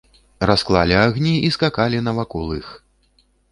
Расклалі агні і скакалі навакол іх.